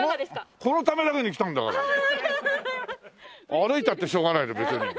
歩いたってしょうがない別に。